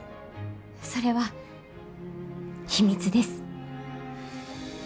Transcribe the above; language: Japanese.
それは秘密です。